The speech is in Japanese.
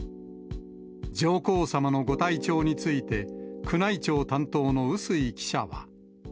上皇さまのご体調について、宮内庁担当の笛吹記者は。